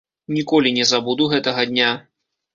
Ніколі не забуду гэтага дня.